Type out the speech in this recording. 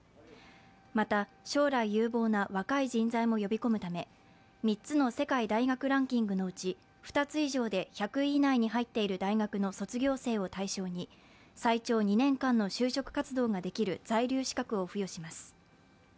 また、将来有望な若い人材も呼び込むため３つの世界大学ランキングのうち２つ以上で１００位以内に入っている大学の卒業生を対象に、最長２年間の就職活動ができる在留資格を付与します。